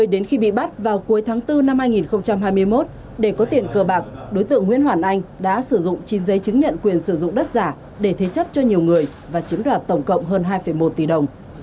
đến khi bị bắt vào cuối tháng bốn năm hai nghìn hai mươi một để có tiền cờ bạc đối tượng nguyễn hoàn anh đã sử dụng chín giấy chứng nhận quyền sử dụng đất giả để thế chấp cho nhiều người và chiếm đoạt tổng cộng hơn hai một tỷ đồng